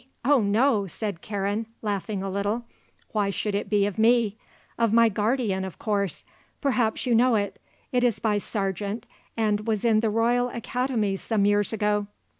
Oh no," said Karen, laughing a little. "Why should it be of me? Of my guardian, of course. Perhaps you know it. It is by Sargent and was in the Royal Academy some years ago."